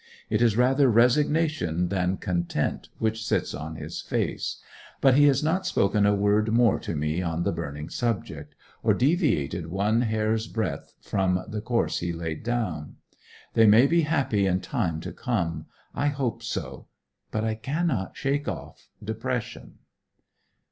It is rather resignation than content which sits on his face; but he has not spoken a word more to me on the burning subject, or deviated one hair's breadth from the course he laid down. They may be happy in time to come: I hope so. But I cannot shake off depression.